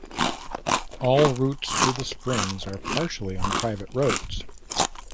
All routes to the springs are partially on private roads.